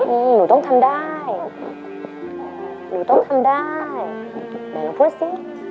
อืมหนูต้องทำได้หนูต้องทำได้ไหนหนูพูดสิ